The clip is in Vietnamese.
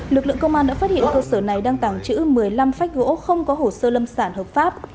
lực lượng công an đã phát hiện cơ sở này đang tàng trữ một mươi năm phách gỗ không có hồ sơ lâm sản hợp pháp